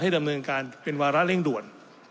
ดำเนินการเป็นวาระเร่งด่วน